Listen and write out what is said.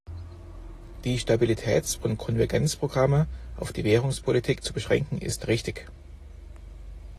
Die Stabilitäts- und Konvergenzprogramme auf die Währungspolitik zu beschränken ist richtig.